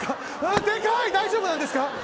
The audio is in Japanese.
大丈夫なんですか？